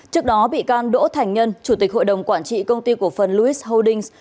trước đó bị can đỗ thành nhân chủ tịch hội đồng quản trị công ty cổ phần louis holdings